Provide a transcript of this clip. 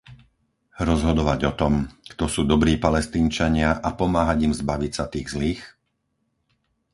Rozhodovať o tom, kto sú dobrí Palestínčania a pomáhať im zbaviť sa tých zlých?